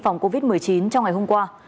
phòng covid một mươi chín trong ngày hôm qua